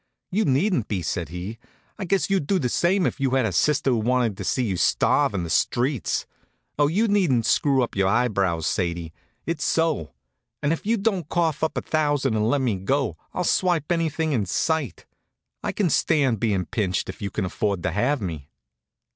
"You needn't be," says he. "I guess you'd do the same if you had a sister that wanted to see you starve in the streets. Oh, you needn't screw up your eyebrows, Sadie. It's so. And if you don't cough up a thousand and let me go, I'll swipe anything in sight. I can stand being pinched if you can afford to have me."